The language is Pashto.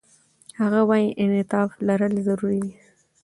هغه وايي، انعطاف لرل ضروري دي.